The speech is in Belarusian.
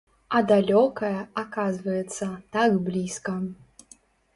А далёкае, аказваецца, так блізка.